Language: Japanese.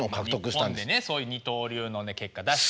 日本でねそういう二刀流の結果出して。